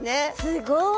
すごい！